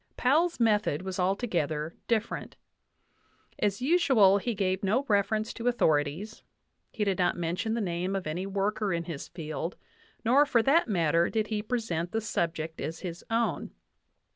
Powell's method was altogether different. As us\ial, he gave no refer ence to authorities ; he did not mention the name of any worker in his field; nor, for that matter, did he present the subject as his own.